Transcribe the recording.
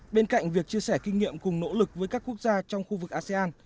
bên cạnh việc chia sẻ kinh nghiệm cùng nỗ lực với các quốc gia trong khu vực asean